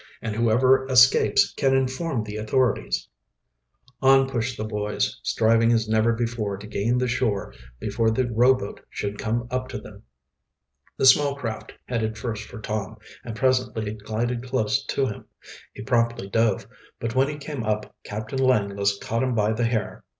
"And whoever escapes can inform the authorities." On pushed the boys, striving as never before to gain the shore before the rowboat should come up to them. The small craft headed first for Tom, and presently it glided close to him. He promptly dove, but when he came up Captain Langless caught him by the hair.